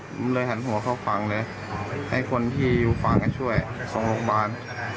มันเลยหันหัวเข้าฟังเลยให้คนที่อยู่ฝั่งก็ช่วยของโรคบาล